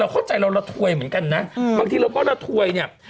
เข้าใจเราระถวยเหมือนกันนะบางทีเราก็ระถวยเนี่ย